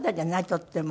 とっても。